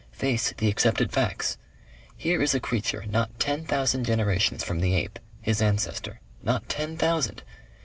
Face the accepted facts. Here is a creature not ten thousand generations from the ape, his ancestor. Not ten thousand.